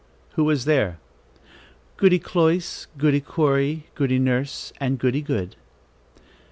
"Who was there?" "Goody Cloyse, Goody Corey, Goody Nurse and Goody Good."